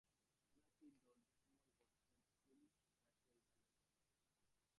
জোনাকির দল ঝলমল করছে জারুল গাছের ডালে।